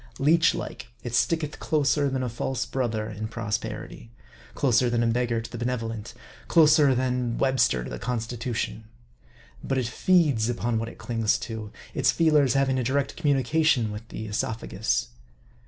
Leech like, it sticketh closer than a false brother in prosper ity ; closer than a beggar to the benevolent ; closer than Webster to the Constitution. But it feeds upon what it clings to ; its feelers having a direct communication with the esophagus.